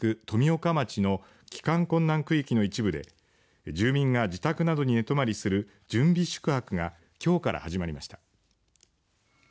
富岡町の帰還困難区域の一部で住民が自宅などに寝泊まりする準備宿泊がきょうから始まりました。